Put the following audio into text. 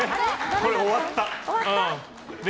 これ終わった。